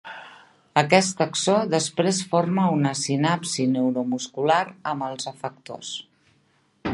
Aquest axó després forma una sinapsi neuromuscular amb els efectors.